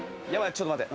ちょっと待って。